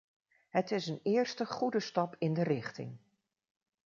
Het is een eerste goede stap in de richting.